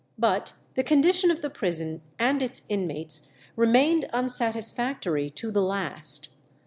But the condition of the prison and its inmates remained unsatisfactory to the last.